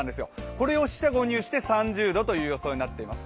これを四捨五入して３０度という予想になっています。